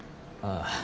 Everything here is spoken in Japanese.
ああ。